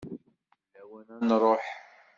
D lawan ad nruḥ.